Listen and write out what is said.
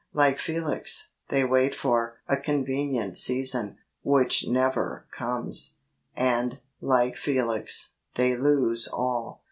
Like Felix, they wait for ' a con venient season,' which never comes! and, like Felix, they lose all.